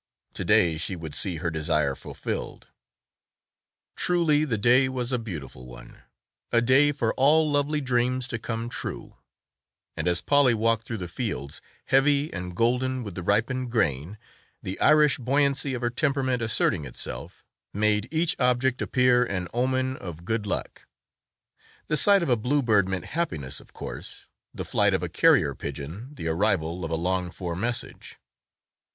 To day she would see her desire fulfilled! Truly the day was a beautiful one, a day for all lovely dreams to come true, and as Polly walked through the fields, heavy and golden with the ripened grain, the Irish buoyancy of her temperament asserting itself, made each object appear an omen of good luck the sight of a bluebird meant happiness of course, the flight of a carrier pigeon the arrival of a longed for message.